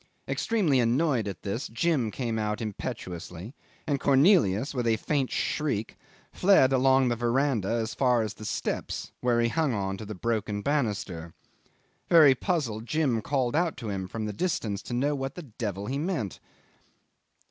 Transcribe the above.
Extremely annoyed at this, Jim came out impetuously, and Cornelius with a faint shriek fled along the verandah as far as the steps, where he hung on to the broken banister. Very puzzled, Jim called out to him from the distance to know what the devil he meant.